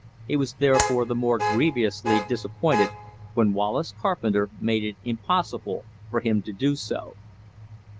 He was therefore the more grievously disappointed, when Wallace Carpenter made it impossible for him to do so.